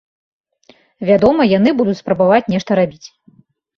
Вядома, яны будуць спрабаваць нешта рабіць.